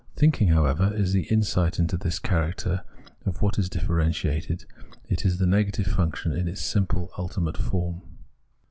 Thinking, however, is the insight into this character of what is differentiated ; it is the negative function in its simple, ultimate form.